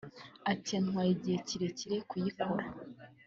Ati “Yantwaye igihe kirekire kuyikora